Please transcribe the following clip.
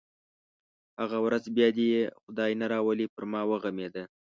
هغه ورځ بیا دې یې خدای نه راولي پر ما وغمېده.